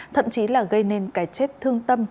thậm chí là gây nên cái chết thương tâm